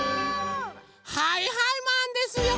はいはいマンですよ！